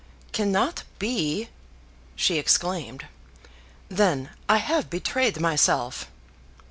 "Cannot be!" she exclaimed. "Then I have betrayed myself."